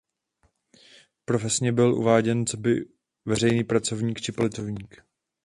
Profesně byl uváděn coby "veřejný pracovník" či "politický pracovník".